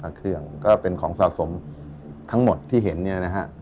เครื่องก็เป็นของสะสมทั้งหมดที่เห็นเนี่ยนะฮะ